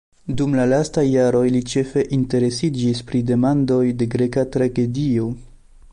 Dum la lastaj jaroj li ĉefe interesiĝis pri demandoj de greka tragedio.